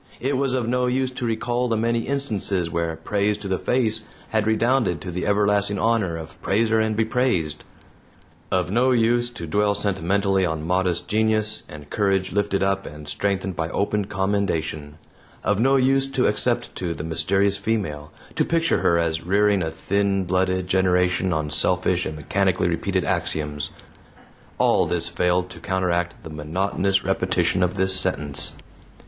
It was of no use to recall the many instances where praise to the face had redounded to the everlasting honor of praiser and bepraised; of no use to dwell sentimentally on modest genius and courage lifted up and strengthened by open commendation; of no use to except to the mysterious female, to picture her as rearing a thin blooded generation on selfish and mechanically repeated axioms all this failed to counteract the monotonous repetition of this sentence.